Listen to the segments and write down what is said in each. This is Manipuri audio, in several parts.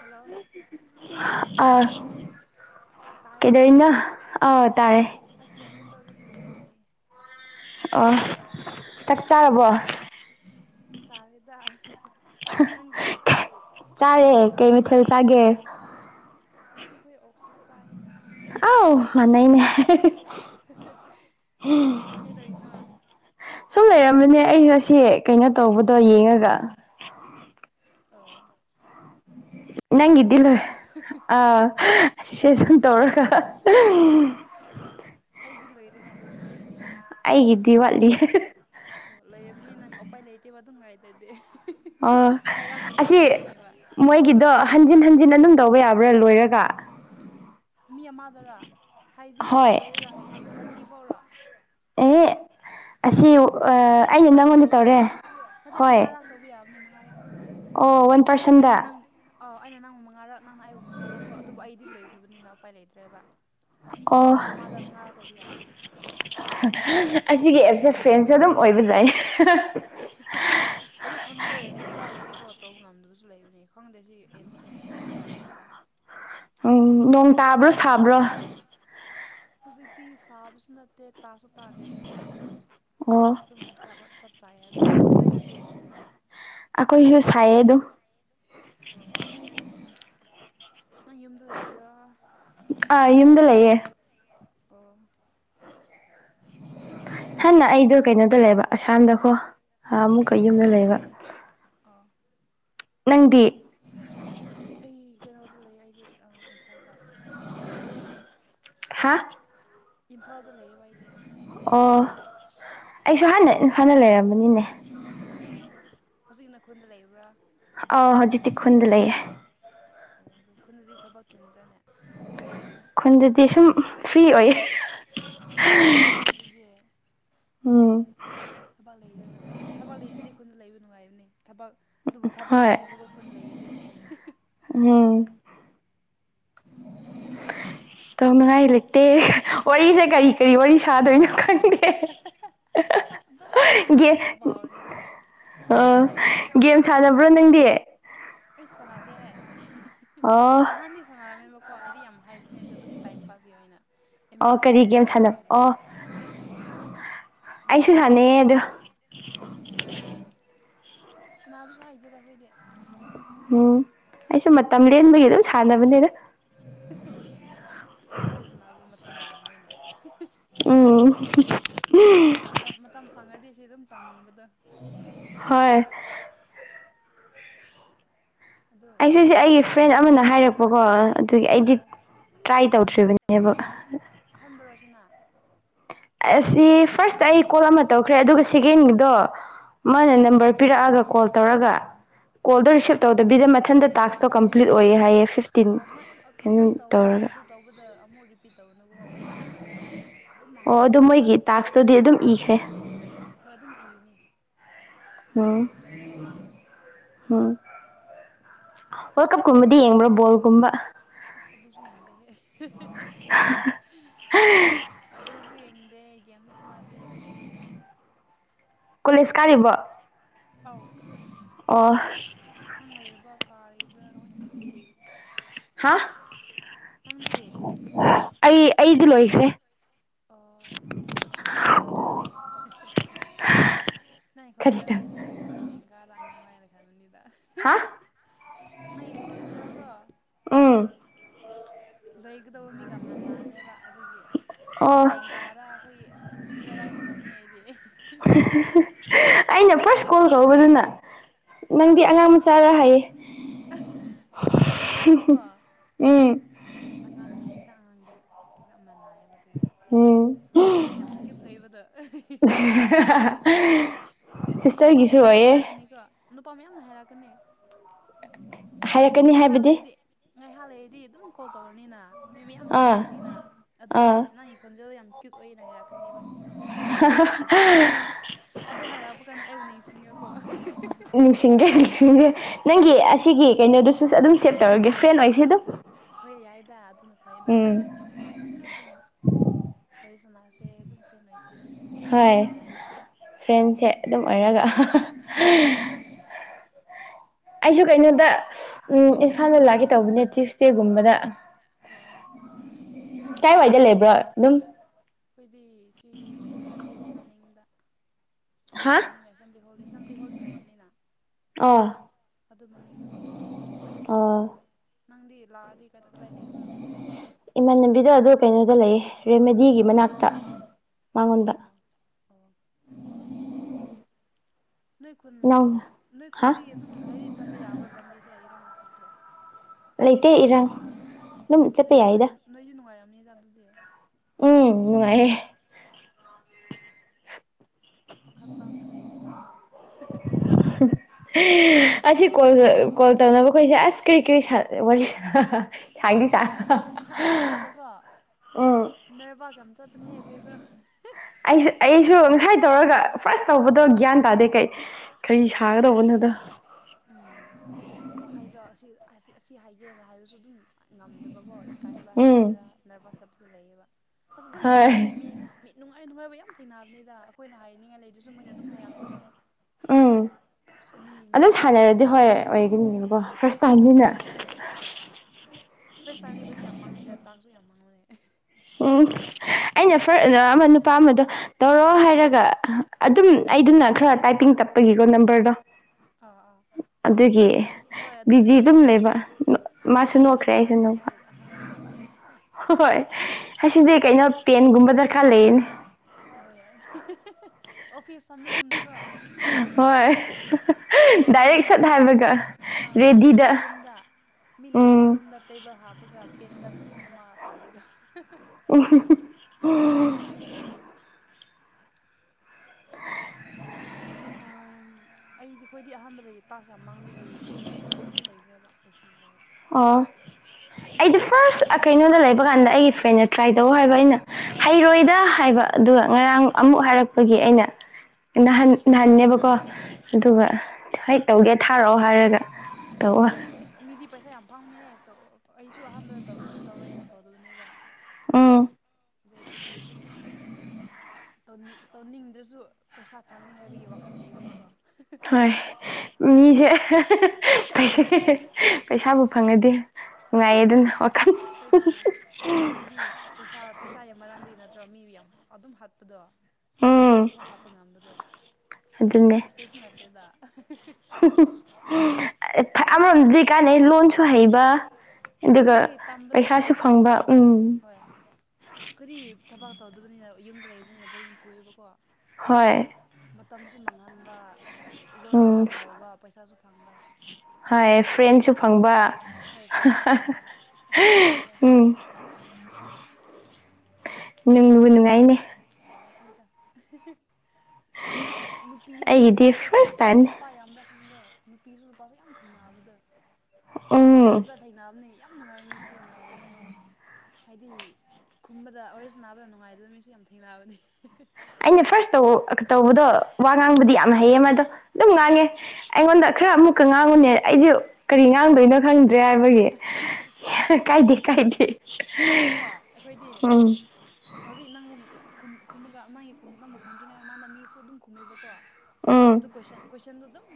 ꯍꯜꯂꯣ ꯇꯥꯏꯀꯣ ꯀꯩꯗꯔꯤꯅ ꯑ ꯇꯥꯔꯦ ꯊꯕꯤ ꯑꯣ ꯆꯥꯛ ꯆꯥꯔꯕꯣ ꯆꯥꯔꯦꯗ ꯅꯪꯗꯤ ꯆꯥꯔꯦ ꯀꯩ ꯃꯤꯊꯦꯜ ꯆꯒꯦ ꯖꯤꯖꯤꯈꯣꯏ ꯑꯣꯛꯁꯥ ꯆꯥꯏ ꯑꯥꯎ ꯍꯅꯥꯏꯅꯦ ꯅꯪꯗꯤ ꯀꯩꯗꯧꯔꯤꯅꯣ ꯁꯨꯝ ꯂꯩꯔꯝꯕꯅꯦ ꯑꯩ ꯉꯁꯦ ꯀꯩꯅꯣ ꯇꯧꯕꯗꯣ ꯌꯦꯡꯉꯒ ꯑ ꯅꯪꯗꯂꯣ ꯑ ꯁꯦꯟ ꯇꯧꯔꯒ ꯑꯩꯗꯤ ꯂꯣꯏꯔꯦꯕ ꯑꯩꯒꯤꯗꯤꯋꯥꯂꯤ ꯑꯣ ꯂꯩꯔꯕꯅꯤ ꯅꯪ ꯎꯄꯥꯏ ꯂꯩꯇꯦꯕ ꯑꯗꯨꯝ ꯉꯥꯏꯗ꯭ꯔꯗꯤ ꯑꯣ ꯍꯥꯏꯔꯛꯄꯗ ꯑꯁꯤ ꯉꯥꯏꯔꯤꯅꯦꯕ ꯃꯣꯏꯒꯤꯗꯣ ꯍꯟꯖꯤꯟ ꯍꯟꯖꯤꯟ ꯑꯗꯨꯝ ꯇꯧꯕ ꯌꯥꯕ ꯂꯣꯏꯔꯒ ꯃꯤ ꯑꯃꯗꯔ ꯍꯥꯏꯗꯤ ꯍꯣꯏ ꯂꯣꯏꯔꯒ ꯍꯥꯏꯗꯤ ꯊꯥꯔꯇꯤ ꯐꯥꯎꯔ ꯑꯦ ꯑꯁꯤ ꯑꯁꯤ ꯍꯥꯏꯗꯤ ꯏꯕꯥꯅꯤ ꯇꯧꯕꯗꯨꯔꯣ ꯅꯠꯇꯦ ꯍꯣꯏ ꯃꯉꯥꯔꯥꯛ ꯇꯧꯕ ꯌꯥꯕꯅꯤ ꯃꯉꯥꯔꯥꯛ ꯑꯣ ꯋꯥꯟ ꯄꯥꯔꯁꯟꯗ ꯑꯧ ꯑꯩꯅ ꯅꯪꯕꯨ ꯃꯉꯥꯔꯛ ꯅꯪꯅ ꯑꯩꯕꯨ ꯃꯉꯥꯔꯛ ꯀꯣ ꯑꯗꯨꯕꯨ ꯑꯩꯗꯤ ꯂꯣꯏꯈ꯭ꯔꯕꯅꯤꯅ ꯎꯄꯥꯏ ꯂꯩꯇ꯭ꯔꯦꯕ ꯍꯣꯏ ꯑꯣ ꯃꯤꯌꯥꯝ ꯃꯥꯗ ꯃꯉꯥ ꯇꯧꯕꯤ ꯌꯥꯅꯤ ꯑꯁꯤꯒꯤ ꯑꯦꯁ ꯑꯦ ꯐ꯭ꯔꯦꯟꯁꯨ ꯑꯗꯨꯝ ꯑꯣꯏꯕ ꯌꯥꯏ ꯑꯗꯨ ꯈꯪꯗꯦ ꯃꯤ ꯈꯔꯗꯒꯤꯗꯤꯀꯣ ꯇꯧꯕ ꯉꯝꯗꯕꯁꯨ ꯂꯩꯕꯅꯦ ꯈꯪꯗꯦ ꯁꯤ ꯑꯦꯞꯁꯨ ꯖꯥꯠꯖꯥꯠꯅꯤ ꯎꯝ ꯅꯣꯡ ꯇꯥꯕ꯭ꯔꯣ ꯃꯤꯒ ꯁꯥꯕ꯭ꯔꯣ ꯃꯥꯟꯅꯕꯅꯤ ꯍꯧꯖꯤꯛꯇꯤ ꯁꯥꯥꯕꯁꯨ ꯅꯠꯇꯦ ꯇꯥꯁꯨ ꯇꯥꯗꯦꯗ ꯑꯗꯨꯝ ꯆꯞ ꯆꯥ ꯍꯥꯏꯕ ꯇꯥꯔꯦ ꯅꯣꯏꯗꯗꯤ ꯑꯩꯈꯣꯏ ꯏꯁꯨ ꯁꯥꯏꯌꯦ ꯑꯗꯨꯣ ꯑꯣ ꯅꯪ ꯌꯨꯝꯗ ꯑꯥ ꯌꯨꯝꯗ ꯂꯩꯕ꯭ꯔꯥꯕ ꯂꯩꯌꯦ ꯑꯣ ꯍꯟꯅ ꯑꯩꯗꯣ ꯀꯩꯅꯣꯗ ꯂꯩꯕ ꯑꯁꯥꯝꯗꯀꯣ ꯍꯥ ꯑꯃꯨꯛꯀ ꯑꯣ ꯌꯨꯝꯗ ꯂꯩꯕ ꯑꯣ ꯅꯪꯗꯤ ꯑꯩ ꯀꯩꯅꯣꯗ ꯂꯩ ꯑꯩꯒꯤ ꯏꯝꯐꯥꯜꯗ ꯍꯥꯥ ꯏꯝꯐꯥꯜꯗ ꯂꯩꯌꯦꯕꯏꯗꯤ ꯑꯣ ꯑꯩꯁꯨ ꯍꯥꯟꯅ ꯍꯥꯟꯅ ꯂꯩꯔꯝꯕꯅꯤꯅꯦ ꯑꯣ ꯍꯧꯖꯤꯛꯅꯈꯟꯗ ꯂꯩꯕ꯭ꯔꯥ ꯑꯖꯤꯇꯤ ꯈꯨꯨꯟꯗ ꯂꯩꯌꯦ ꯑꯣ ꯑꯗꯨ ꯈꯨꯟꯅꯗꯤ ꯊꯕꯛ ꯆꯤꯟꯗ꯭ꯔꯅꯦ ꯈꯨꯟꯗꯗꯤ ꯁꯨꯝ ꯐ꯭ꯔꯤ ꯑꯣꯏꯌꯦ ꯐꯥꯏꯗꯗꯨꯗꯒꯤ ꯎꯝ ꯊ ꯊꯕꯜ ꯂꯩꯗ꯭ꯔꯗꯤ ꯈꯨꯟꯗ ꯂꯩꯕ ꯅꯨꯡꯉꯥꯏꯕꯅꯤ ꯊꯕꯛ ꯑꯗꯨꯕꯨ ꯊꯕꯛ ꯍꯣꯏ ꯌꯥꯝꯕꯤꯕꯒꯈꯨꯟ ꯂꯩꯌꯦꯗꯤ ꯎꯝ ꯇꯧꯅꯤꯡꯉꯥꯏ ꯂꯩꯇꯦ ꯋꯥꯔꯤꯁꯦ ꯀꯔꯤ ꯈꯨꯟ ꯀꯔꯤ ꯋꯥꯔꯤ ꯁꯥꯗꯣꯏꯅꯣ ꯈꯪꯗꯦ ꯑꯁ ꯑꯗꯨꯝ ꯃꯊꯟꯗ ꯑꯗꯨꯝ ꯊꯣꯛꯄ ꯍꯧꯔꯅꯤꯗꯪ ꯑ ꯒꯦꯝꯦꯝ ꯁꯥꯟꯅꯕ꯭ꯔꯣ ꯅꯪꯗꯤ ꯑꯩ ꯁꯥꯟꯅꯗꯦ ꯑꯣ ꯅꯍꯥꯟꯗꯤ ꯁꯥꯟꯅꯔꯝꯃꯦꯕꯀꯣ ꯍꯥꯏꯗꯤ ꯌꯥꯝ ꯍꯥꯏꯕꯗꯤ ꯅꯗꯤ ꯑꯗꯨꯝ ꯇꯥꯏꯝ ꯄꯥꯁꯀꯤ ꯑꯣꯏꯅ ꯑꯦꯝ ꯑꯣ ꯑꯦꯜꯗꯤ ꯀꯔꯤ ꯈꯤꯇꯪ ꯒꯦꯝ ꯁꯥꯟꯅ ꯁꯥꯟꯟꯅꯔꯛꯑꯝꯕꯅꯤ ꯑꯣ ꯍꯜ ꯑꯩꯁꯨ ꯂꯤꯗꯤ ꯁꯥꯟꯅꯩꯌꯦ ꯑꯗꯣ ꯁꯅꯦ ꯑꯣ ꯁꯅꯥꯕꯨꯁꯨ ꯍꯩꯗꯦꯗ ꯑꯩꯈꯣꯏꯗꯤ ꯎꯝ ꯑꯩꯁꯨ ꯃꯇꯝ ꯂꯦꯟꯕꯒꯤ ꯑꯗꯨꯝ ꯁꯥꯟꯅꯕꯅꯤꯅ ꯍꯧꯖꯤꯛꯇꯤ ꯍꯧꯖꯤ ꯅꯥꯕ ꯃꯇꯝ ꯂꯩꯔꯝꯃꯣꯏꯅꯦ [unintelligible] ꯃꯇꯝ ꯃꯇꯝ ꯁꯥꯡꯉꯗꯤ ꯁꯤ ꯑꯗꯨꯝ ꯆꯥꯡꯅꯤꯡꯕꯗꯣ ꯍꯣꯏ ꯑꯗꯣ ꯑꯩꯁꯤꯁꯦ ꯉꯁꯤꯗꯤ ꯑꯩꯒꯤ ꯌꯨꯝ ꯐ꯭ꯔꯦꯟ ꯑꯃꯅ ꯍꯥꯏꯔꯛꯄꯀꯣ ꯑꯗꯨꯒꯤ ꯑꯩꯗꯤ ꯑꯣ ꯇ꯭ꯔꯥꯏ ꯇꯧꯗ꯭ꯔꯤꯕꯅꯤ ꯌꯦꯕ ꯑꯍꯟꯥꯟꯕꯔꯣꯁꯤꯅ ꯑꯁꯤ ꯐꯥꯔꯁꯇ ꯑꯩ ꯀꯣꯜ ꯑꯃ ꯇꯧꯈ꯭ꯔꯦ ꯑꯗꯨꯒ ꯁꯦꯀꯦꯟꯒꯤꯗꯣ ꯑꯣ ꯃꯥꯅ ꯅꯝꯕꯔ ꯄꯤꯔꯛꯑꯒ ꯀꯣꯜ ꯇꯧꯔꯒ ꯀꯣꯜꯗꯣ ꯔꯤꯁꯤꯞ ꯆꯠꯇꯕ ꯇꯧꯗꯕꯤꯗ ꯃꯊꯟꯇ ꯇꯥꯛꯁꯇꯣ ꯀꯝꯄ꯭ꯂꯤꯠ ꯑꯣꯏꯌꯦ ꯍꯥꯏꯌꯦ ꯐꯤꯐꯇꯤꯟ ꯀꯩꯅꯣ ꯇꯧꯔ ꯅꯦ ꯑꯗꯨ ꯇꯧꯕꯗ ꯑꯃꯨꯛ ꯔꯤꯄꯤꯠ ꯇꯧꯅꯨꯀꯣ ꯃꯤ ꯑꯃꯗ ꯑꯗꯨꯝ ꯑꯣ ꯑꯗꯨ ꯃꯥꯡꯉꯅꯦꯕ ꯃꯣꯏꯒꯤ ꯇꯥꯛꯁꯇꯨꯗꯤ ꯑꯗꯨꯝ ꯏꯈ꯭ꯔꯦ ꯍꯣꯏ ꯑꯗꯨꯝ ꯏꯅꯤ ꯎꯝ ꯍꯝ ꯋꯥꯔꯜ ꯀꯞꯀꯨꯝꯕꯗꯤ ꯌꯦꯡꯕ꯭ꯔꯣ ꯕꯣꯜꯒꯨꯝꯕ ꯑꯗꯨꯁꯨ ꯍꯦ ꯨ ꯌꯦꯡꯗꯦ ꯒꯦꯝꯁꯨ ꯁꯅꯥꯗꯦ ꯑꯩꯈꯣꯏꯗꯤ ꯄꯨꯁꯀꯥ ꯏꯔꯤꯕ ꯑꯣ ꯀ ꯅ ꯑꯦꯕ ꯀ ꯄꯨꯔꯥ ꯀꯃꯅ ꯆ ꯍꯥ ꯃꯪꯗꯤ ꯑꯩ ꯑꯩꯗꯤ ꯂꯣꯏꯁꯦ ꯑꯣ ꯑꯁꯥꯏ ꯐꯣꯟꯖꯦꯜꯗꯤ ꯅꯪ ꯈꯣꯟꯖꯗꯦ ꯀꯔꯤ ꯑꯩꯗꯤ ꯑꯩꯈꯣꯏ ꯂꯦꯡꯒꯥ ꯂꯥꯡꯉꯥꯡ ꯂ ꯗ ꯍꯥ ꯃꯥ ꯈꯣꯟꯖꯦꯜꯗ ꯎꯝ ꯂꯩꯒꯗꯧꯕ ꯃꯤꯒ ꯃꯥꯟꯅꯗꯦꯕ ꯑꯗꯨꯒꯤ ꯑꯣ ꯑꯩꯈꯣꯏ ꯂꯦꯡꯒꯥꯔ ꯑꯩꯈꯣꯏ ꯖꯅꯤꯌꯥꯔ ꯍꯥꯏꯅ ꯈꯪꯅꯤ ꯍꯥꯏꯗꯤ ꯑꯦ ꯑꯩꯅ ꯐꯥꯔꯁ ꯀꯣꯜ ꯇꯧꯕꯗꯨꯅ ꯑꯥ ꯅꯪꯗꯤ ꯑꯉꯥꯡ ꯃꯆꯥꯒ ꯍꯥꯏꯌꯦ ꯈꯣꯟꯖꯦꯜꯗꯀꯣ ꯎꯝ ꯑꯉꯥꯡ ꯈꯤꯇꯪ ꯑꯉꯥꯡꯒꯤ ꯈꯤꯇꯪ ꯃꯅꯥꯏ ꯎꯝ [unintelligible] ꯌꯥꯝ ꯀ꯭ꯌꯨꯠ ꯑꯣꯏꯕꯗꯣ ꯅꯨꯄꯥ ꯁꯤꯁꯇꯔꯒꯤꯁꯨ ꯃꯌꯥꯝꯅ ꯑꯣꯏꯌꯦ ꯍꯥꯏꯔꯛꯀꯅꯤꯀꯣ ꯅꯨꯄꯥ ꯃꯌꯥꯝꯅ ꯍꯥꯏꯔꯛꯀꯅꯤ ꯅꯪ ꯍꯥꯏꯔꯛꯀꯅꯤ ꯉꯥꯏꯍꯥꯛ ꯍꯥꯏꯕꯗꯤ ꯂꯩꯔꯗꯤ ꯉꯥꯏꯍꯥꯛ ꯂꯩꯏꯔꯗꯤ ꯑꯗꯨꯝ ꯀꯣꯜ ꯇꯧꯔꯅꯤꯅ ꯃꯤ ꯃꯌꯥꯝ ꯑꯥ ꯊꯦꯡꯅꯑꯅꯤꯅ ꯑꯗꯨꯗ ꯑꯥ ꯃꯣꯏ ꯅꯪꯒꯤ ꯈꯣꯟꯖꯦꯜ ꯌꯥꯝ ꯀꯌ꯭ꯨꯠ ꯑꯣꯏꯅ ꯍꯥꯏꯔꯛ [unintelligible] ꯑꯗꯣ ꯍꯥꯏꯔꯛꯄ ꯀꯥꯟꯗ ꯑꯩꯕꯨ ꯅꯤꯡꯁꯤꯡꯉꯣꯀꯣ ꯑꯩꯒꯤ ꯀꯩꯅꯣꯗꯨꯁꯨ ꯑꯗꯨꯝ ꯁꯦꯞ ꯇꯧꯔꯒꯦ ꯐ꯭ꯔꯦꯟ ꯑꯣꯏꯁꯦ ꯑꯗꯨꯝ ꯍꯣꯏ ꯌꯥꯏꯗ ꯑꯗꯨꯅ ꯐꯩꯗ ꯎꯝ ꯑꯗꯨꯝ ꯋꯥꯔꯤ ꯁ ꯁꯦ ꯑꯗꯨꯝ ꯐ꯭ꯔꯦꯟ ꯑꯣꯏꯁꯦ ꯍꯣꯏ ꯐ꯭ꯔꯦꯟꯁꯦ ꯑꯗꯨꯝ ꯑꯣꯏꯔꯒ ꯑꯩꯁꯨ ꯑꯁ ꯀꯩꯅꯣꯗ ꯁꯤꯗ ꯑꯣ ꯎꯝ ꯏꯝꯐꯥꯜ ꯂꯨꯛꯒꯦ ꯇꯧꯕꯅꯦ ꯇ꯭ꯌꯨꯁꯗꯦꯒꯨꯝꯕꯗ ꯑꯣ ꯀꯥꯏ ꯋꯥꯏꯗ ꯂꯩꯕ꯭ꯔꯣ ꯑꯗꯨꯝ ꯑꯗꯨꯗꯤ ꯁꯤ ꯑꯁꯦꯝꯕ꯭ꯂꯤ ꯍꯣꯜ ꯃꯅꯤꯡ ꯍꯥ ꯈꯪꯉꯝꯅꯤꯅꯝꯗꯤ ꯍꯣꯜꯗꯤ ꯁꯝꯗꯤ ꯍꯣꯜꯗꯤ ꯈꯪꯉꯝꯅꯤꯅ ꯑꯣ ꯑꯗꯨ ꯃꯅꯤꯡ ꯂꯩꯕꯅꯦ ꯅꯪꯗꯤ ꯂꯥ ꯏꯃꯥꯟꯅꯕꯤꯗ ꯑꯗꯨ ꯀꯩꯅꯣꯗ ꯂꯩꯌꯦ ꯔꯦꯃꯦꯗꯤꯒꯤ ꯃꯅꯥꯛꯇ ꯃꯥꯡꯉꯣꯟꯗ ꯑꯣ ꯑꯣ ꯅꯣꯏ ꯈꯨꯟ ꯏꯅꯥꯎꯅ ꯅꯣꯏ ꯍꯥ ꯈꯨꯟꯗꯤ ꯑꯗꯨꯝ ꯍꯥꯏꯗꯤ ꯆꯠꯄ ꯌꯥꯕ꯭ꯔꯥ ꯂꯝꯕꯤꯁꯦ ꯏꯔꯥꯡ ꯊꯣꯛꯇ꯭ꯔꯣ ꯂꯩꯇꯦ ꯏꯔꯥꯡ ꯑꯗꯨꯝ ꯑꯣ ꯆꯠꯄ ꯑꯗꯨꯏꯅꯨꯡꯉꯥꯏ ꯌꯥꯏꯗ ꯅꯣꯏꯁꯨ ꯅꯨꯡꯉꯥꯏꯔꯝꯅꯤꯖꯥ ꯑꯗꯨꯗꯤ ꯎꯝ ꯅꯨꯡꯉꯥꯏꯌꯦ ꯄꯥꯈꯠꯄ ꯑꯝꯇ ꯂꯩꯇꯕꯀꯣ ꯑꯁꯤ ꯀꯣꯜ ꯀꯣꯜ ꯇꯧꯅꯕ ꯈꯣꯏꯁꯦ ꯑꯁ ꯀꯔꯤ ꯀꯔꯤ ꯁꯥ ꯋꯥꯔꯤ ꯁꯥ ꯁꯥꯡꯗꯤ ꯑꯁ ꯑꯍꯥ ꯑꯍꯥꯟꯕꯗꯀꯣ ꯎꯝ ꯅꯔꯕꯥꯖ ꯌꯥꯝ ꯆꯠꯄꯅꯦꯍꯦ ꯑꯈꯣꯏꯁꯨ ꯑꯩꯁꯨ ꯑꯩꯁꯨ ꯉꯁꯥꯏ ꯇꯧꯔꯒ ꯐꯥꯔꯁ ꯇꯧꯕꯗꯣ ꯒ꯭ꯌꯥꯟ ꯇꯥꯗꯦ ꯀꯩ ꯀꯔꯤ ꯁꯥꯒꯗꯧꯕꯅꯣꯗꯣ ꯎꯝ ꯋꯥꯍꯩꯗ ꯑꯁꯤ ꯑꯁꯤ ꯍꯥꯏꯒꯦꯅ ꯍꯥꯏꯕꯁꯨ ꯑꯗꯨꯝ ꯉꯝꯗꯕꯀꯣ ꯏꯀꯥꯏꯕ ꯎꯝ ꯍꯥꯏꯁꯦꯔꯥ ꯅꯔꯚꯁ ꯆꯠꯄꯁꯨ ꯂꯩꯌꯦꯕ ꯑꯁ ꯑꯗꯨꯝ ꯍꯣꯏ ꯁꯅꯔꯗꯤ ꯃꯤ ꯃꯤꯠ ꯅꯨꯡꯉꯥꯏ ꯉꯥꯏ ꯅꯨꯡꯉꯥꯏꯕ ꯌꯥꯝ ꯊꯦꯡꯅꯕꯅꯤꯗ ꯑꯩꯈꯣꯏꯅ ꯍꯥꯏꯅꯤꯡꯉꯥꯏ ꯂꯩꯇꯔ꯭ꯁꯨ ꯃꯣꯏꯅ ꯑꯗꯨꯝ ꯍꯥꯏꯔꯛꯄꯗꯣ ꯎꯝ ꯑꯁ ꯃꯤ ꯑꯗꯨꯝ ꯅꯨꯡꯉꯥꯏꯕ ꯌꯥꯝ ꯁꯥꯟꯅꯔꯗꯤ ꯍꯣꯏ ꯊꯦꯡꯅꯕꯅꯤ ꯑꯣꯏꯒꯅꯤꯕꯀꯣ ꯐꯥꯔꯁ ꯍꯣꯏ ꯇꯥꯏꯝꯅꯤꯅ ꯍꯣꯏ ꯐꯥꯔꯁ ꯇꯥꯏꯝꯗꯤ ꯑꯩꯈꯣꯏꯗꯤ ꯌꯥꯝ ꯃꯥꯡꯉꯦꯗ ꯇꯥꯛꯁꯨ ꯌꯥꯝ ꯃꯥꯡꯉꯨꯅꯦ ꯎꯝ ꯑꯩꯅ ꯐ ꯑꯃ ꯅꯨꯄꯥ ꯑꯃꯗꯣ ꯇꯧꯔꯣ ꯍꯥꯏꯔꯒ ꯑꯗꯨꯝ ꯑꯩꯗꯨꯅ ꯈꯔ ꯇꯥꯏꯄꯤꯡ ꯇꯞꯄꯒꯤꯀꯣ ꯅꯝꯕꯔꯗꯣ ꯑꯥ ꯑꯥ ꯑꯗꯨꯒꯤ ꯕꯤꯖꯤ ꯑꯗꯨꯝ ꯂꯩꯕ ꯃꯥꯁꯨ ꯅꯝꯕꯔꯁꯦ ꯌꯥꯝ ꯅꯣꯛꯈ꯭ꯔꯦ ꯑꯩꯁꯨ ꯁꯣꯏꯒꯟꯕꯅꯤ ꯅꯣꯛꯄ ꯑꯩ ꯑꯍꯥꯟꯕꯗ ꯍꯥꯏ ꯁꯤꯗꯤ ꯀꯩꯅꯣ ꯄꯦꯟꯒꯨꯝꯕ ꯗꯔꯀꯥꯔ ꯂꯩꯌꯦꯅꯦ ꯍꯣꯏ ꯍꯣꯏ ꯑꯣꯐꯤꯁ ꯑꯃꯒꯨꯝꯅꯀꯣ ꯍꯣꯏ ꯗꯥꯏꯔꯦꯛ ꯁꯠ ꯍꯥꯏꯕꯒ ꯑ ꯃꯤ ꯔꯦꯗꯤꯗ ꯂꯩꯗꯕ ꯔꯨꯝꯗ ꯃꯤ ꯂꯩꯗꯕ ꯎꯝ ꯔꯨꯝꯗ ꯇꯦꯕꯜ ꯍꯥꯞꯄꯒ ꯄꯦꯟꯒ ꯅꯣꯠ ꯑꯃ ꯍꯥꯞꯔꯒ ꯇꯧ ꯇꯥꯕꯅꯤ ꯑꯗꯨ ꯑꯝ ꯑꯩꯗꯤ ꯑꯩꯈꯣꯏꯗꯤ ꯑꯍꯥꯟꯕꯗ ꯇꯥꯁꯦ ꯌꯥꯝ ꯃꯥꯡꯕꯤꯈꯤ ꯍꯧꯖꯤꯛ ꯍꯧꯖꯤꯛ ꯑꯗꯨꯝ ꯂꯩꯈ꯭ꯔꯦꯕ ꯂꯣꯏꯁꯤꯟꯈ꯭ꯔꯦꯕ ꯑꯥ ꯑ ꯑꯩꯗꯤ ꯐꯥꯔꯁ ꯀꯩꯅꯣꯗ ꯂꯩꯕ ꯀꯥꯟꯗ ꯑꯩꯒꯤ ꯐ꯭ꯔꯦꯟꯅ ꯇ꯭ꯔꯥꯏ ꯇꯧ ꯍꯥꯏꯕ ꯑꯩꯅ ꯍꯩꯔꯣꯏꯗ ꯍꯥꯏꯕ ꯑꯗꯨꯒ ꯉꯔꯥꯡ ꯑꯃꯨꯛ ꯍꯥꯏꯔꯛꯄꯒꯤ ꯑꯩꯅ ꯍꯟ ꯅꯥꯍꯟꯅꯦꯕꯀꯣ ꯑꯗꯨꯒ ꯍꯣꯏ ꯇꯧꯒꯦ ꯊꯥꯔꯛꯑꯣ ꯍꯥꯏꯔꯒ ꯇꯧꯑꯣ ꯏꯁꯁ ꯃꯤꯗꯤ ꯄꯩꯁꯥ ꯌꯥꯝ ꯐꯪꯅꯦꯍ ꯑꯩꯁꯨ ꯑꯍꯥꯟꯕꯗ ꯇꯧꯔꯅ ꯇꯧꯗꯕꯅꯦꯕ ꯎꯝ ꯑꯗꯣ ꯍꯧꯖꯤꯛꯇꯤ ꯑꯗꯨꯝ ꯈꯪꯉꯕꯅꯤꯅ ꯅꯤꯡ ꯇꯧꯅꯤꯡꯗ꯭ꯔꯁꯨ ꯄꯩꯁꯥ ꯐꯪꯅꯤ ꯍꯥꯏꯕꯒꯤ ꯋꯥꯈꯜ ꯂꯩꯕꯤꯀꯣ ꯍꯣꯏ ꯃꯤꯁꯦ ꯄꯩꯁꯥꯕꯨ ꯐꯪꯉꯗꯦ ꯍꯣꯏꯗ ꯑꯁ ꯃꯤꯗꯤ ꯄꯩꯁꯥ ꯄꯩꯁꯥꯒꯤ ꯃꯔꯝꯗꯒꯤ ꯅꯠꯇ꯭ꯔꯣ ꯃꯤ ꯌꯥꯝ ꯑꯗꯨꯝ ꯍꯥꯠꯄꯗꯣ ꯎꯝ ꯃꯤꯐꯥꯎ ꯍꯥꯠꯄ ꯉꯝꯕꯗꯣ ꯑꯁꯤ ꯑꯗꯨꯅꯦ ꯑꯁꯤꯗꯤ ꯀꯩꯁꯨ ꯅꯅꯥꯠꯇꯦꯗ ꯎ ꯑꯃꯔꯣꯝꯗꯤ ꯀꯥꯟꯅꯩ ꯂꯣꯟꯁꯨ ꯍꯩꯕ ꯑꯁ ꯑꯗꯨꯒ ꯃꯅꯤ ꯇꯝꯕꯗꯀꯣ ꯄꯩꯁꯥꯁꯨ ꯑꯁ ꯃ ꯐꯪꯕ ꯍ ꯎꯝ ꯍꯣꯏ ꯀꯔꯤ ꯊꯕꯛ ꯇꯧꯗꯕꯅꯤꯅ ꯌꯨꯝꯗ ꯂꯩꯕꯅꯤꯅ ꯕꯣꯔ ꯌꯦꯟ ꯆꯨꯑꯕꯀꯣ ꯍꯣꯏ ꯃꯇꯝꯁꯨ ꯃꯥꯡꯍꯟꯕ ꯂꯣꯟꯁꯨ ꯇꯝꯍꯧꯕ ꯄꯩꯁꯥꯁꯨ ꯐꯪꯕ ꯍꯥꯏ ꯐ꯭ꯔꯦꯟꯁꯨ ꯐꯪꯕ ꯍꯣꯏ ꯐ꯭ꯔꯦꯟꯁꯨ ꯄꯪꯕ ꯑꯁ ꯀꯃꯥꯏꯗ ꯁꯤꯗꯤ ꯅꯪꯅꯕ ꯅꯨꯡꯉꯥꯏꯅꯦ ꯗ ꯅꯨꯄꯤꯁꯨ ꯑꯩꯒꯤꯗꯤ ꯅꯨꯄꯥꯁꯨ ꯐꯥꯔꯁ ꯑꯁꯤ ꯁꯤꯁꯨ ꯇꯥꯏꯝꯅꯦ ꯅꯨꯄꯥ ꯌꯥꯝꯕ꯭ꯔꯥ ꯈꯪꯗꯦ ꯅꯨꯄꯤꯁꯨ ꯅꯨꯄꯥꯁꯨ ꯌꯥꯝ ꯊꯦꯡꯅꯕꯗ ꯖꯠ ꯎꯝ ꯖꯠ ꯊꯦꯡꯅꯕꯅꯦ ꯌꯥꯝ ꯌꯥꯝ ꯅꯨꯡꯉꯥꯏ ꯃꯤꯁꯨ ꯊꯦꯡꯅꯕꯕꯅꯤ ꯍꯥꯏꯗꯤ ꯈꯨꯝꯕꯗ ꯑꯣꯔꯦꯁ ꯅꯥꯕꯗ ꯅꯨꯡꯉꯥꯏꯗꯕ ꯃꯤꯁꯨ ꯌꯥꯝ ꯊꯦꯡꯅꯅꯕꯅꯤ ꯑꯩꯅ ꯐꯥꯔꯁ ꯇ ꯇꯧꯕꯗꯣ ꯋꯥ ꯉꯥꯡꯕꯗꯤ ꯌꯥꯝ ꯍꯩꯌꯦ ꯑꯃ ꯑꯗꯣ ꯑꯗꯨꯝ ꯉꯥꯡꯉꯦ ꯑꯩꯉꯣꯟꯗ ꯈꯔ ꯑꯃꯨꯛꯀ ꯉꯥꯡꯕꯨꯅꯦ ꯑꯩꯁꯨ ꯀꯔꯤ ꯉꯥꯡꯗꯣꯏꯅꯣ ꯈꯪꯗ꯭ꯔꯦ ꯍꯥꯏꯕꯒꯤ ꯀꯥꯏꯗꯦ ꯀꯥꯏꯗ ꯑꯁ ꯍꯧꯖꯤꯛꯇꯤꯀꯣ ꯑꯩꯈꯣꯏꯗꯤ ꯎꯝ ꯍꯧꯖꯤꯛ ꯅꯪꯕꯨꯒ ꯅꯪꯒꯤ ꯅꯪꯕꯨ ꯈꯨꯝꯗ꯭ꯔꯤꯉꯩꯗ ꯃꯥꯡꯗ ꯃꯤꯁꯨ ꯑꯗꯨꯝ ꯈꯨꯝꯃꯦꯕꯀꯣ ꯎꯝ ꯑꯗꯨ ꯀꯣꯏꯁꯟ ꯀꯣꯏꯁꯟꯗꯨ ꯑꯗꯨꯝ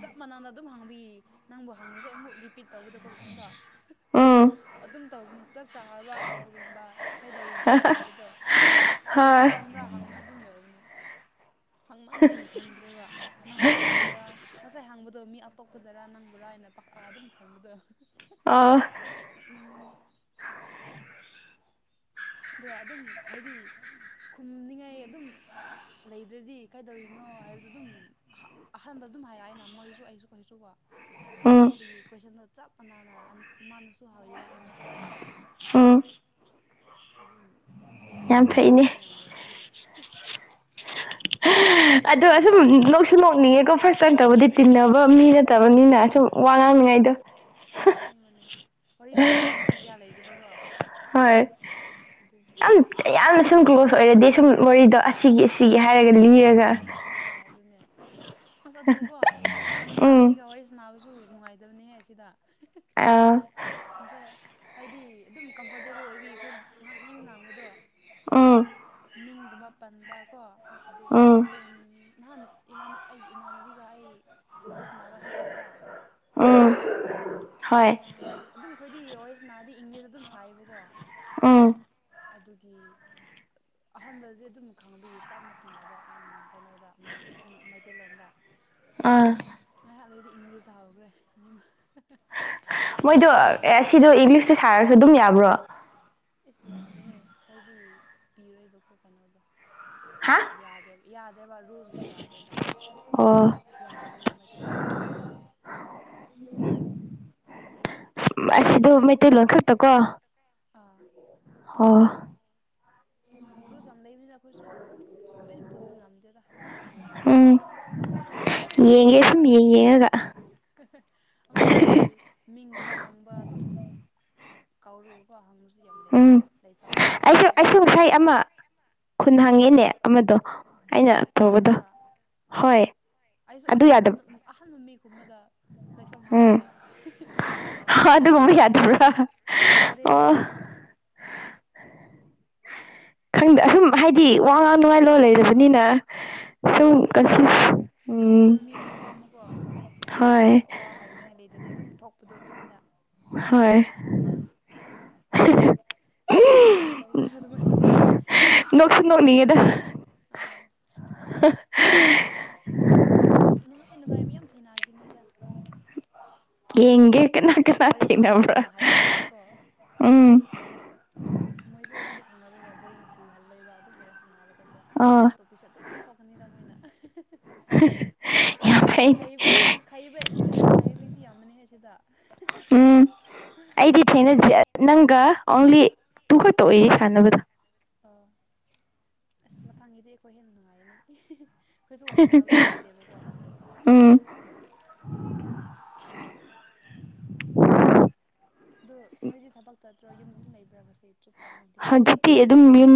ꯆꯞ ꯃꯥꯟꯅꯝꯗ ꯑꯗꯨꯝ ꯍꯥꯡꯕꯤꯌꯦ ꯅꯪꯕꯨ ꯍꯥꯡꯉꯁꯨ ꯑꯃꯨꯛ ꯔꯤꯄꯤꯠ ꯇꯧꯕꯤꯗꯣ ꯀꯣꯏꯁꯟꯗꯣ ꯑ ꯑꯗꯨꯝ ꯇꯧꯕꯅꯤ ꯆꯞ ꯆꯥꯔꯕ ꯍꯥꯏꯕꯒꯨꯝꯕ ꯀꯩꯗꯧꯔꯤꯒꯦ ꯍꯥꯏꯕꯗꯣ ꯍꯣꯏ ꯑꯅꯤꯔꯥ ꯍꯨꯝ꯭ꯔꯥ ꯍꯥꯡꯉꯁꯨ ꯑꯗꯨꯝ ꯌꯎꯕꯅꯦ ꯍꯥꯡꯃꯍꯟꯕꯤ ꯈꯪꯗ꯭ꯔꯦꯕ ꯅꯪꯕꯨ ꯍꯥꯡꯈ꯭ꯔꯕ꯭ꯔꯥ ꯉꯁꯥꯏ ꯍꯥꯡꯕꯗꯣ ꯃꯤ ꯑꯇꯣꯞꯄꯗꯔ ꯅꯪꯕꯔꯥ ꯍꯥꯏꯅ ꯄ ꯑꯗꯨꯝ ꯈꯟꯕꯗꯣ ꯑꯥ ꯅꯣꯛꯅꯤꯡꯕꯅꯦ ꯑꯗꯨꯒ ꯑꯗꯨꯝ ꯍꯥꯏꯗꯤ ꯈꯨꯝꯅꯤꯡꯉꯥꯏ ꯑꯗꯨꯝ ꯂꯩꯗ꯭ꯔꯗꯤ ꯀꯩꯗꯧꯔꯤꯅꯣ ꯍꯥꯏꯕꯗ ꯑꯗꯨꯝ ꯑꯍꯥꯟꯕ ꯑꯗꯨꯝ ꯍꯥꯏꯔꯛꯑꯅ ꯃꯣꯏꯁꯨ ꯑꯩꯁꯨ ꯀꯁꯨꯀꯣ ꯎꯝ ꯑꯗꯨꯗꯒꯤ ꯀꯣꯏꯁꯟꯗ ꯆꯞ ꯃꯥꯟꯅꯅ ꯃꯥꯃꯥꯅꯁꯨ ꯍꯥꯎꯕ ꯑꯩꯅꯁꯨ ꯍꯥꯏꯥꯎꯕ ꯎꯝ ꯑꯗꯨꯝ ꯌꯥꯝ ꯐꯩꯅꯦ ꯊꯦꯡꯅꯥꯕꯨ ꯌꯥꯝ ꯌꯥꯎꯔꯅꯤ ꯑꯗꯣ ꯑꯁꯨꯝ ꯌꯥꯝ ꯅꯣꯛꯁꯨ ꯅꯣꯛꯅꯤꯡꯉꯦꯀꯣ ꯐꯥꯔꯁ ꯇꯥꯏꯝ ꯇꯧꯕꯗꯤ ꯇꯤꯟꯅꯕ ꯃꯤ ꯅꯠꯇꯕꯅꯤꯅ ꯁꯨꯝ ꯋꯥ ꯑꯥ ꯉꯥꯡꯃꯤꯉꯩꯗ ꯍꯣꯏ ꯑꯁꯦꯡꯕꯅꯤ ꯋꯥꯔꯤ ꯂꯤꯅꯤꯡꯉꯥꯏꯁꯨ ꯀꯌꯥ ꯂꯩꯗꯕꯀꯣ ꯍꯣꯏ ꯑꯗꯨꯅꯤ ꯌꯥꯝ ꯌꯥꯝꯅ ꯁꯨꯝ ꯀ꯭ꯂꯣꯁ ꯑꯣꯏꯔꯗꯤ ꯁꯨꯝ ꯋꯥꯔꯤꯗꯣ ꯑꯁꯤꯒꯤ ꯁꯤꯒꯦ ꯍꯣꯏ ꯍꯥꯏꯔꯒ ꯂꯤꯔꯒ ꯑꯥ ꯍꯣꯏ ꯑꯗꯨꯅꯦ ꯑꯁ ꯑꯗꯨꯕꯨꯀꯣ ꯈꯪ ꯅꯥꯕ ꯎꯝ ꯃꯤꯒ ꯋꯥꯔꯤ ꯁ ꯅꯕꯁꯨ ꯅꯨꯡꯉꯥꯏꯗꯕꯅꯤꯍꯦ ꯑꯁꯤꯗ ꯑꯥ ꯉꯁꯥꯏ ꯍꯥꯏꯗꯤ ꯑꯗꯨꯝ ꯀꯝꯐꯣꯔꯇꯦꯕꯜ ꯑꯣꯏꯕꯤ ꯑꯩꯈꯣꯏꯅ ꯉꯥꯡꯅꯤꯕ ꯉꯥꯡꯕꯗꯣ ꯑꯥ ꯏꯒꯨꯝꯕ ꯄꯟꯕ ꯀꯣ ꯑꯗꯨꯗꯤ ꯅꯍꯥꯟꯥꯟ ꯑꯩꯒꯤ ꯏꯃꯥꯟꯅꯕꯤꯒ ꯑꯩ ꯋꯥꯔꯤ ꯁꯟꯅꯕ ꯁꯤ ꯑꯦꯞꯇ ꯎꯝ ꯁꯤꯗ ꯍꯣꯏ ꯑ ꯑꯗꯨꯝ ꯑꯩꯈꯣꯏꯗꯤ ꯑꯣꯔꯤꯖꯤꯅꯥꯜꯗꯤ ꯏꯪꯂꯤꯁꯇ ꯑꯗꯨꯝ ꯁꯥꯏꯕꯀꯣ ꯎꯝ ꯑꯗꯨꯒꯤ ꯑꯍꯥꯟꯕꯗꯤ ꯑꯗꯨꯝ ꯈꯪꯕꯤꯌꯦ ꯇꯞꯅ ꯁꯅꯕ ꯀꯩꯅꯣꯗ ꯃꯩꯇꯩꯂꯣꯟꯗ ꯑꯥ ꯉ ꯑꯗꯨꯗꯤ ꯏꯪꯂꯤꯁꯇ ꯍꯧꯈ꯭ꯔꯦ ꯑꯅꯤꯃꯛ ꯃꯣꯏꯗꯣ ꯁꯤꯗꯣ ꯏꯪꯂꯤꯁꯇꯣ ꯁꯥꯔꯁꯨ ꯑꯗꯨꯝ ꯌꯥꯕ꯭ꯔꯣ ꯄꯤꯔꯣꯏꯕꯀ ꯀꯩꯅꯣꯗ ꯌꯥ ꯍꯥ ꯌꯥꯗ ꯌꯥꯗꯦ ꯋꯥ ꯔꯣꯁꯗꯤ ꯌꯥꯗꯦꯕ ꯑꯣ ꯌꯥꯗꯕꯅꯤ ꯃꯩꯇꯩ ꯂꯣꯡꯉꯥꯛꯄꯅꯤ ꯎꯝ [unintelligible] [inaudible] ꯑꯁꯤꯗꯣ ꯃꯩꯇꯩꯂꯣꯟ ꯈꯛꯇ ꯀꯣ ꯑꯣ [inaudible] ꯔꯣꯁ ꯌꯥꯝ ꯂꯩꯕꯅꯤꯅ ꯑꯩꯈꯣꯏꯁꯨ ꯂꯣꯏꯅ ꯄꯨꯟꯕ ꯉꯝꯗꯦꯗ ꯎꯝ ꯌꯦꯡ ꯑꯃꯔꯛ ꯀꯁꯤ ꯃꯤ ꯑꯃꯔꯛꯇꯤ ꯌꯦꯡꯉꯒ [unintelligible] ꯑꯃꯔꯛꯇꯤ ꯃꯤꯡꯒꯨꯝꯕ ꯍꯥꯡꯕ ꯑꯗꯨꯝ ꯀꯧꯔꯨꯒꯀꯣ ꯍꯪꯕꯁꯨ ꯌꯥꯝ ꯂꯩꯌꯦꯗ ꯎꯝ ꯂꯩꯐꯝ ꯑꯩꯁꯨ ꯑꯩꯁꯨ ꯏꯁꯩ ꯑꯃ ꯈꯨꯟ ꯍꯪꯉꯤꯅꯦ ꯑꯃꯗꯣ ꯑꯩꯅꯇꯗ ꯅꯪꯅꯔꯣ ꯍꯣꯏ ꯑꯩꯁꯨ ꯑꯗꯨ ꯑꯍꯟ ꯌꯥꯗꯕ ꯑꯍꯥꯟꯕ ꯃꯤꯒꯨꯝꯕꯗ ꯂꯩꯐꯝ ꯎꯝ ꯍꯪꯕꯅꯦ ꯑꯗꯨꯒꯨꯝꯕ ꯌꯥꯗꯕ꯭ꯔꯥ ꯌꯥꯗꯦꯅ ꯌꯥꯗꯦꯅ ꯑꯣ ꯍꯥꯏꯕꯅꯦꯕ ꯈꯪꯗ ꯑꯨꯝ ꯍꯥꯏꯗꯤ ꯋꯥ ꯉꯥꯡ ꯅꯨꯡꯉꯥꯏ ꯂꯣꯟ ꯂꯩꯔꯕꯅꯤꯅ ꯁꯨꯝ ꯍꯣꯏꯗ ꯎꯝ ꯨꯀꯣ ꯋꯥ ꯍꯣꯏ ꯋꯥ ꯍꯥꯏꯅꯤꯡꯉꯥꯏ ꯂꯩꯗꯗꯤ ꯑꯗꯨꯝ ꯊꯣꯛꯄꯗꯣ ꯆꯤꯟꯗ ꯍꯣꯏ ꯌꯥꯝ ꯑꯩꯈꯣꯏꯁꯨ ꯌꯥꯝ ꯇꯧꯈ꯭ꯔꯦ ꯑꯗꯨꯃꯥꯏꯅ ꯌꯥꯝ ꯁ ꯅꯣꯛꯁꯨ ꯅꯣꯛꯅꯤꯡꯉꯦꯗ [unintelligible] [inaudible] ꯑꯁ ꯅꯨꯡꯉꯥꯏ ꯅꯨꯡꯉꯥꯏ ꯃꯤ ꯌꯥꯝ ꯊꯦꯡꯅꯈꯤꯅꯤꯗ ꯌꯦꯦꯀꯅꯥꯇ ꯍꯥꯏꯗꯤ ꯋꯥꯔꯤ ꯁꯥꯇꯤꯅ꯭ꯔ ꯁꯥꯟꯅꯕ ꯌꯥꯝ ꯍꯥꯏꯕ ꯃꯤꯀꯣ ꯎꯝ ꯃꯣꯏꯁꯨ ꯍꯧꯖꯤꯛꯇꯤ ꯈꯪꯉꯕꯅꯦ ꯕꯣꯔ ꯆꯨꯍꯜꯂ ꯂꯩꯕ ꯑꯗꯨꯝ ꯃꯣꯔꯁꯨ ꯅꯥꯕ ꯀꯣ ꯑꯣ ꯇꯣꯞꯄꯤꯁꯦ ꯑꯗꯨꯝ ꯁꯣꯛꯀꯅꯤꯗ ꯃꯣꯏꯅ ꯕ ꯌꯥꯝ ꯐꯩꯅꯦ ꯈꯩꯕ ꯈꯩꯕ ꯍꯥꯏꯕ ꯃꯤꯁꯤ ꯌꯥꯝꯃꯅꯦꯍ ꯁꯤꯗ ꯎꯝ ꯑꯩꯗꯤ ꯊꯅꯪ ꯑꯂꯤ ꯇꯨ ꯀꯇ ꯑꯣꯏ ꯁꯥꯟꯅ ꯀꯗ ꯑꯣ ꯑꯁ ꯃꯊꯥꯡꯒꯤꯗꯤ ꯑꯩꯈꯣꯏ ꯍꯦꯟꯅ ꯅꯨꯡꯉꯥꯏꯅꯦ ꯑꯩꯈꯣꯏꯁꯨ ꯋꯥꯔꯤꯖꯅꯥꯕꯨꯗꯤ ꯍꯥꯏꯗꯦꯕꯀꯣ ꯎꯝ [unintelligible] [inaudible] ꯑ ꯅꯣꯏꯗꯤ ꯊꯕꯛ ꯆꯠꯇ꯭ꯔꯣ ꯌꯨꯝꯗꯨꯁꯨ ꯂꯩꯕ꯭ꯔꯥ ꯉꯁ ꯆꯨꯞꯄ ꯅꯨꯡꯊꯤꯜ ꯆꯨꯞꯄ ꯍꯧꯖꯤꯛꯇꯤ ꯑꯗꯨꯝ ꯌꯨꯝ